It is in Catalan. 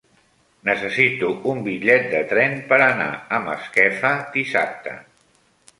Necessito un bitllet de tren per anar a Masquefa dissabte.